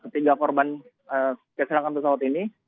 ketiga korban kecelakaan pesawat ini